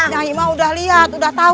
saya sudah lihat